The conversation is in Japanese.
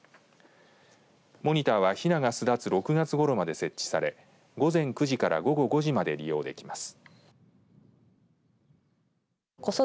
モニターは、ひなが巣立つ６月ごろまで設置され午前９時から午後５時まで利用できます。